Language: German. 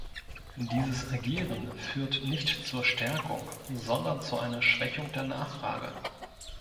Dieses Agieren führt nicht zur Stärkung, sondern zu einer Schwächung der Nachfrage.